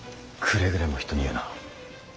くれぐれも人に言うな。